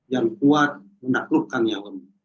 yang kuat menaklukkan yang junior